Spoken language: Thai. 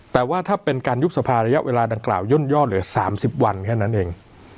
แต่ว่าถ้าเป็นการยุบสภาระยะเวลาดังกล่าย่นยอดเหลือ๓๐วันแค่นั้นเอง